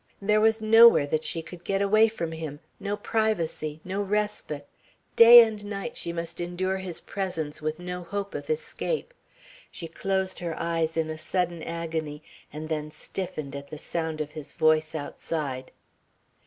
There was nowhere that she could get away from him, no privacy, no respite. Day and night she must endure his presence with no hope of escape. She closed her eyes in a sudden agony, and then stiffened at the sound of his voice outside.